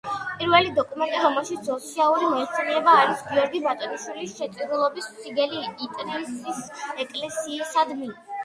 პირველი დოკუმენტი, რომელშიც ოსიაური მოიხსენიება, არის გიორგი ბატონიშვილის შეწირულობის სიგელი იტრიის ეკლესიისადმი.